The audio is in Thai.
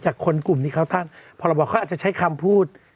จากคนกลุ่มที่เขาท่านพอเราบอกเขาอาจจะใช้คำพูด